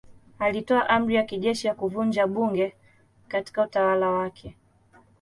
Alitoa amri ya kijeshi ya kuvunja bunge katika utawala wake.